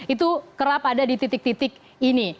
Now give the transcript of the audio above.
itu kerap ada di titik titik ini